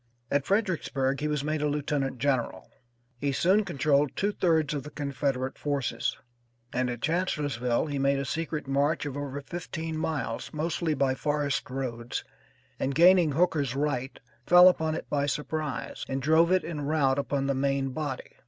At Fredericksburg he was made a lieutenant general. He soon controlled two thirds of the Confederate forces, and at Chancellorsville he made a secret march of over fifteen miles mostly by forest roads, and gaining Hooker's right fell upon it by surprise, and drove it in rout upon the main body.